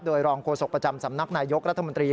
โดยรองโฆษกประจำสำนักนายยกรัฐมนตรี